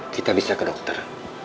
kita bisa ke dokter